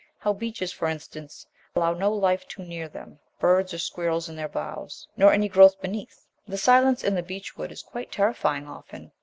How beeches, for instance, allow no life too near them birds or squirrels in their boughs, nor any growth beneath? The silence in the beech wood is quite terrifying often!